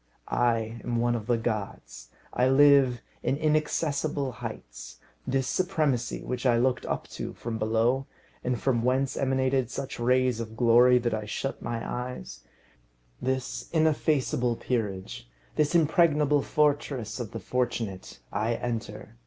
I am one of the gods. I live in inaccessible heights. This supremacy, which I looked up to from below, and from whence emanated such rays of glory that I shut my eyes; this ineffaceable peerage; this impregnable fortress of the fortunate, I enter.